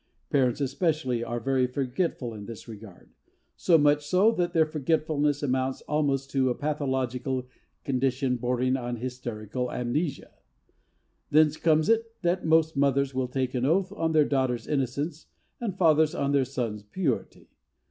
Parents especially are very forgetful in this regard so much so that their forgetfulness amounts almost to a pathological condition bordering on hysterical amnesia. Thence comes it that most mothers will take an oath on their daughters' innocence and fathers on their sons' purity.